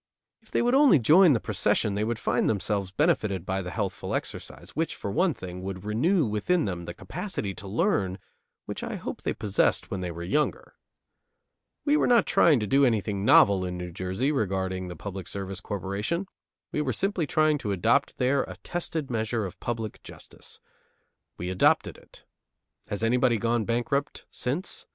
If they would only join the procession they would find themselves benefited by the healthful exercise, which, for one thing, would renew within them the capacity to learn which I hope they possessed when they were younger. We were not trying to do anything novel in New Jersey in regulating the Public Service Corporation; we were simply trying to adopt there a tested measure of public justice. We adopted it. Has anybody gone bankrupt since?